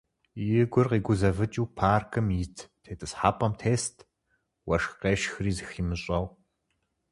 И гур къигузэвыкӀыу паркым ит тетӀысхьэпӀэм тест, уэшх къешхри зыхимыщӀэу.